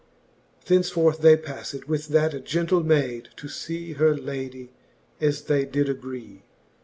XX. Thence forth they pafTed with that gentle mayd, To fee her ladie, as they did agree.